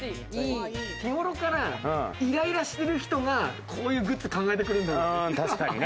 日頃からイライラしてる人がこういうグッズを考えてくるんだろうね。